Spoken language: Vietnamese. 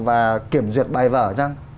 và kiểm duyệt bài vở chăng